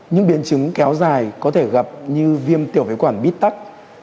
những biên chứng kéo dài có thể gặp như viêm tiểu vế quản bít tắc